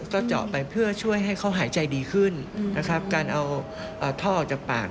ก็เจาะไปเพื่อช่วยให้เขาหายใจดีขึ้นนะครับการเอาท่อออกจากปาก